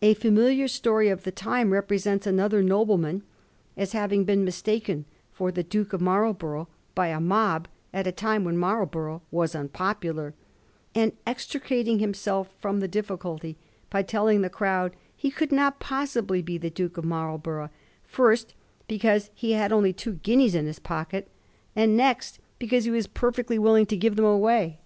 A familiar story of the time represents another nobleman as having been mistaken for the Duke of Marlborough by a mob at a time when Marlborough was unpopular, and extricating himself firom the difficulty by telling the crowd he could not possibly be the Duke of Marlborough, first, because he had only two guineas in his pocket, Digiti zed by Google 30 A HISTORY OF THE POUR GEORGES. <m. n. and next, because he was perfectly ready to give them away.